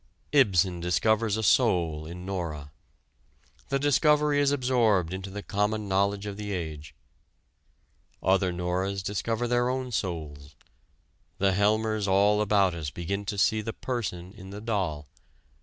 Ibsen discovers a soul in Nora: the discovery is absorbed into the common knowledge of the age. Other Noras discover their own souls; the Helmers all about us begin to see the person in the doll.